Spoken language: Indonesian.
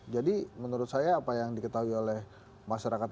menurut saya apa yang diketahui oleh masyarakat